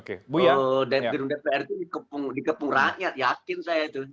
gerundak pr itu dikepung rakyat yakin saya itu